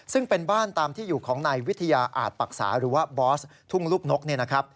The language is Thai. ซึ่งเป็นบ้านตามที่อยู่ของนายวิทยาอาจปรักษาหรือว่าบอสทุ่งลูกนกเนี่ยนะครับ